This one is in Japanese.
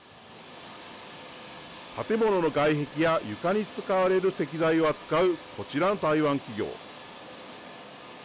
建物の外壁や床に使われる石材を扱うこちらの台湾企業。